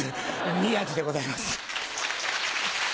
宮治でございます。